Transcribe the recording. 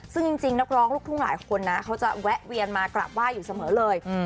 ซึ่งจริงนักร้องลูกทุ่งหลายคนนะเขาจะแวะเวียนมากราบไหว้อยู่เสมอเลย